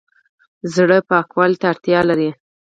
زړه پاکوالي ته اړتیا لري